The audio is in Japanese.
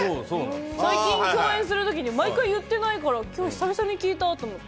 最近共演する時に毎回言っていないから今日、久々に聞いたと思って。